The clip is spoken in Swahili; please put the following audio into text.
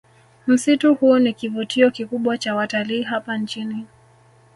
Msitu huu ni kivutio kikubwa cha watalii hapa nchini